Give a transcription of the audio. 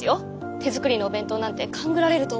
手作りのお弁当なんて勘ぐられると思うので。